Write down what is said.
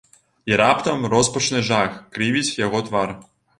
І раптам роспачны жах крывіць яго твар.